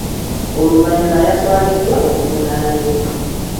Oluvannyuma yatwaliddwa okuvunaanibwa.